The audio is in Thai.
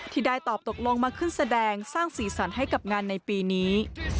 ที่ได้ตอบตกลงมาขึ้นแสดงสร้างสีสันให้กับงานในปีนี้